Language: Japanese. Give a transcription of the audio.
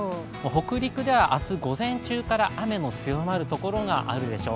北陸では明日午前中から雨の強まるところがあるでしょう。